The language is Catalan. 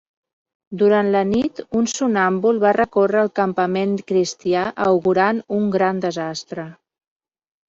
Durant la nit un somnàmbul va recórrer el campament cristià augurant un gran desastre.